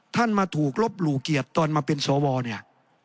ท่านมาถูกลบหลู่เกียรติตอนมาเป็นสวเนี่ย